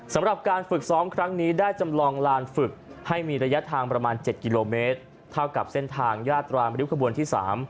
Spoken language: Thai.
สำหรับการฝึกซ้อมครั้งนี้ได้จำลองลานฝึกให้มีระยะทางประมาณ๗กิโลเมตรเท่ากับเส้นทางยาตรามริ้วขบวนที่๓